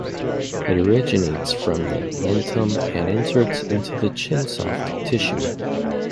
It originates from the mentum and inserts into the chin soft tissue.